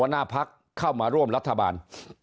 หน้าพักเข้ามาร่วมรัฐบาล